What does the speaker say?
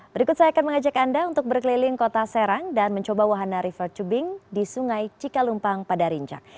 berikut saya akan mengajak anda untuk berkeliling kota serang dan mencoba wahana river tubing di sungai cikalumpang pada rincak